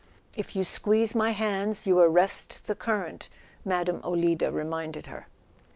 "If you squeeze my hands you arrest the current," Mme. Olida reminded her.